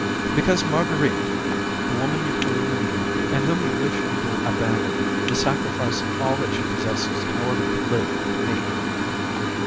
"Because Marguerite, the woman you calumniate, and whom you wish me to abandon, is sacrificing all that she possesses in order to live with me."